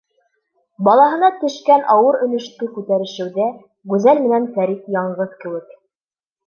Балаһына төшкән ауыр өлөштө күтәрешеүҙә Гүзәл менән Фәрит яңғыҙ кеүек.